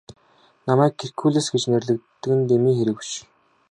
Намайг Геркулес гэж нэрлэдэг нь дэмий хэрэг биш.